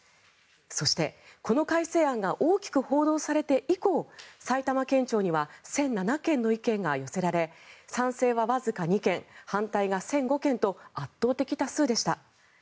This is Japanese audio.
そして、この改正案が大きく報道されて以降埼玉県庁には１００７件の意見が寄せられ賛成はわずか２件反対が１００５件と圧倒的多数でした。